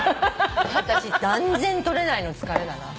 私断然取れないの「疲れ」だな。